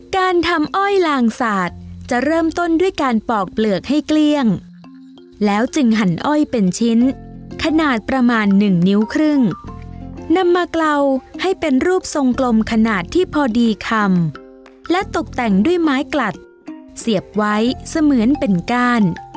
การทำอ้อยลางสาดจะเริ่มต้นด้วยการปอกเปลือกให้เกลี้ยงแล้วจึงหั่นอ้อยเป็นชิ้นขนาดประมาณหนึ่งนิ้วครึ่งนำมาเกลาให้เป็นรูปทรงกลมขนาดที่พอดีคำและตกแต่งด้วยไม้กลัดเสียบไว้เสมือนเป็นก้าน